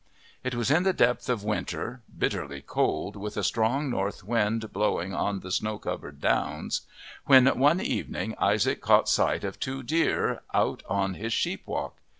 It was in the depth of winter bitterly cold, with a strong north wind blowing on the snow covered downs when one evening Isaac caught sight of two deer out on his sheep walk.